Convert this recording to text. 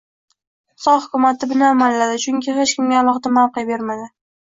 Xitoy hukumati buni amalladi, chunki hech kimga alohida mavqe bermadi...